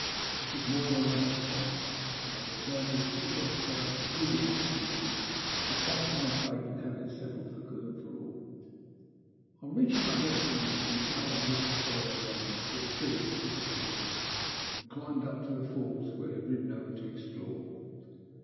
This was more than I could stand, and I determined, as soon as I could find a convenient opportunity, to test my fate and have it settled for good and all. On reaching our destination, we tied our horses, by their reins, to a tree at the foot of the hill, and climbed up to the falls we had ridden over to explore.